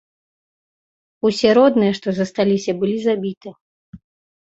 Усе родныя, што засталіся былі забіты.